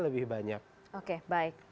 lebih banyak oke baik